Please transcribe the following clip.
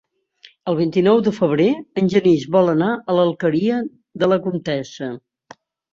El vint-i-nou de febrer en Genís vol anar a l'Alqueria de la Comtessa.